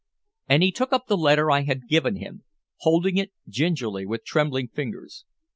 And he took up the letter I had given him, holding it gingerly with trembling fingers.